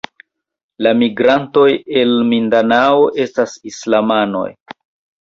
La migrantoj el Mindanao estas islamanoj.